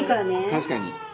確かに。